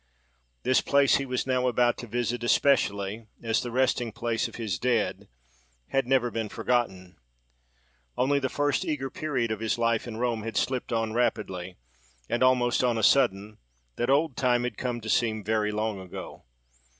The place he was now about to visit, especially as the resting place of his dead, had never been forgotten. Only, the first eager period of his life in Rome had slipped on rapidly; and, almost on a sudden, that old time had come to seem very long ago.